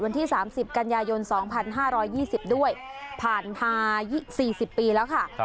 วันที่สามสิบกันยายนสองพันห้าร้อยยี่สิบด้วยผ่านภายสี่สิบปีแล้วค่ะครับ